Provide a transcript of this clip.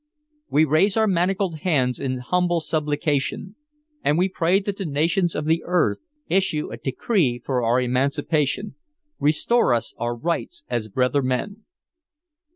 'We raise our manacled hands in humble supplication and we pray that the nations of the earth issue a decree for our emancipation restore us our rights as brother men.'